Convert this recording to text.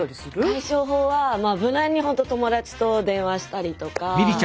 解消法はまあ無難にほんと友達と電話したりとか。